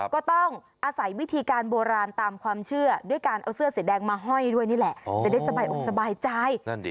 ก็ต้องอาศัยวิธีการโบราณตามความเชื่อด้วยการเอาเสื้อสีแดงมาห้อยด้วยนี่แหละจะได้สบายอกสบายใจ